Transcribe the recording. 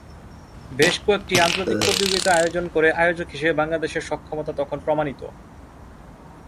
বেশ কয়েকটি আন্তর্জাতিক প্রতিযোগিতা আয়োজন করে আয়োজক হিসেবে বাংলাদেশের সক্ষমতা তখন প্রমাণিত।